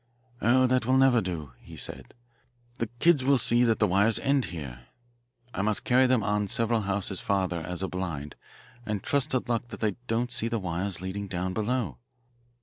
"Oh, that will never do," he said. "The kids will see that the wires end here. I must carry them on several houses farther as a blind and trust to luck that they don't see the wires leading down below."